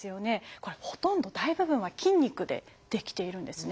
これほとんど大部分は筋肉で出来ているんですね。